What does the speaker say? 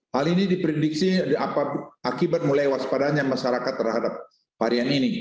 hal ini diprediksi akibat mulai waspadanya masyarakat terhadap varian ini